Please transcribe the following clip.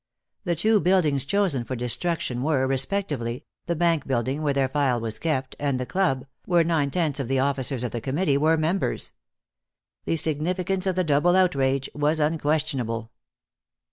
The two buildings chosen for destruction were, respectively, the bank building where their file was kept, and the club, where nine tenths of the officers of the Committee were members. The significance of the double outrage was unquestionable.